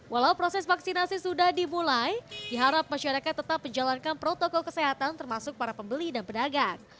walau proses vaksinasi sudah dimulai diharap masyarakat tetap menjalankan protokol kesehatan termasuk para pembeli dan pedagang